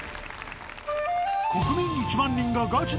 国民１万人がガチで投票！